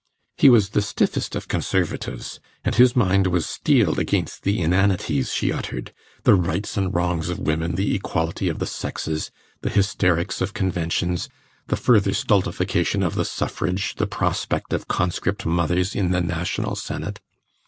He was the stiffest of conservatives, and his mind was steeled against the inanities she uttered the rights and wrongs of women, the equality of the sexes, the hysterics of conventions, the further stultification of the suffrage, the prospect of conscript mothers in the national Senate.